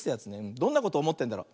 どんなことおもってんだろう。